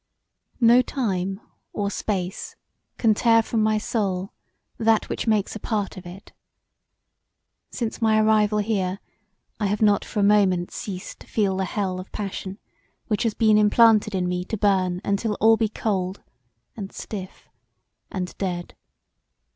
No time or space can tear from my soul that which makes a part of it. Since my arrival here I have not for a moment ceased to feel the hell of passion which has been implanted in me to burn untill all be cold, and stiff, and dead.